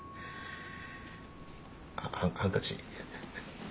あっハンカチ。